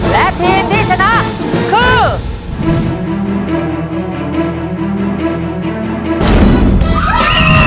และทีมที่ชนะคือ